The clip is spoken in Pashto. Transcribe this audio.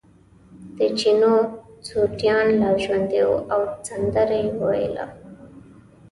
د چینو سوټیان لا ژوندي وو او سندره یې ویله.